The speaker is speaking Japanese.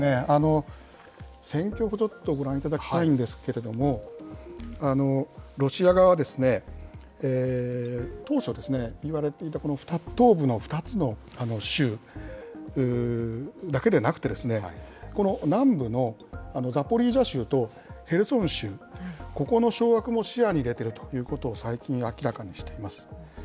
戦況をちょっとご覧いただきたいんですけれども、ロシア側は当初、いわれていた東部の２つの州だけでなくて、この南部のザポリージャ州とヘルソン州、ここの掌握も視野に入れているということを、最近明らかにしています。